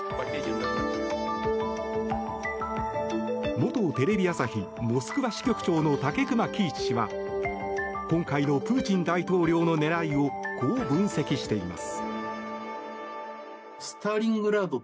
元テレビ朝日モスクワ支局長の武隈喜一氏は今回のプーチン大統領の狙いをこう分析しています。